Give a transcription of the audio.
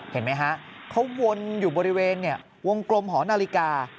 เห็นไหมฮะเขาวนอยู่บริเวณวงกลมหอนาฬิกา